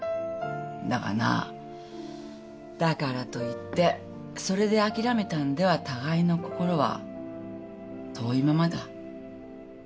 だがなだからといってそれで諦めたんでは互いの心は遠いままだ。